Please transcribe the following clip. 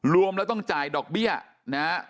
รวมแล้วต้องจ่ายดอกเบี้ยนะฮะ